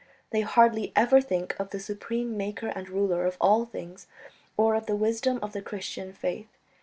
... They hardly ever think of the supreme Maker and Ruler of all things, or of the wisdom of the Christian faith